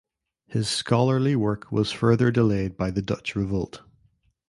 His scholarly work was further delayed by the Dutch Revolt.